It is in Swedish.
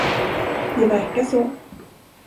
Det verkar så.